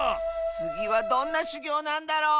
つぎはどんなしゅぎょうなんだろう？